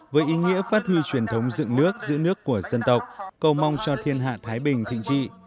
với ý nghĩa phát huy truyền thống dựng nước giữ nước của dân tộc cầu mong cho thiên hạ thái bình thịnh trị